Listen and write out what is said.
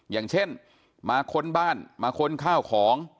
อย่างเช่นมาค้นบ้านมาค้นข้าวของ